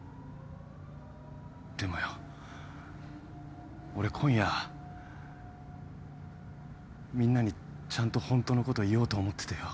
でもよ俺今夜みんなにちゃんとホントのこと言おうと思っててよ。